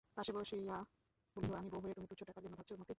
পাশে বসাইয়া বলিল, আমার বৌ হয়ে তুমি তুচ্ছ টাকার জন্য ভাবছ মতি?